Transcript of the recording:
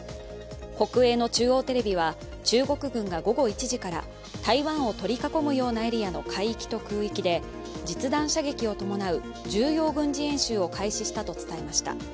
国営の中央テレビは、中国軍が午後１時から台湾を取り囲むようなエリアの海域と空域で実弾射撃を伴う重要軍事演習を開始したと伝えました。